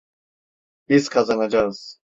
Biz kazanacağız.